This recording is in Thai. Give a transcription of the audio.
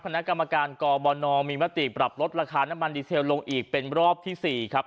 คณะกรรมการกบนมีมติปรับลดราคาน้ำมันดีเซลลงอีกเป็นรอบที่๔ครับ